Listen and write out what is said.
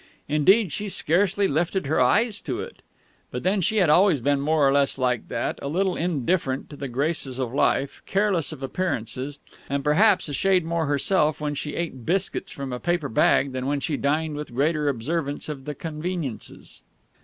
Indeed she scarcely lifted her eyes to it. But then she had always been more or less like that a little indifferent to the graces of life, careless of appearances, and perhaps a shade more herself when she ate biscuits from a paper bag than when she dined with greater observance of the convenances.